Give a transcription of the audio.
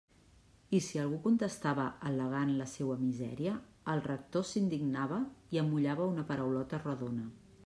I si algú contestava al·legant la seua misèria, el rector s'indignava i amollava una paraulota redona.